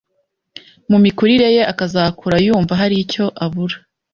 mu mikurire ye, akazakura yumva haricyo abura